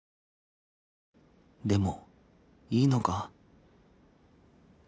でもいいのか？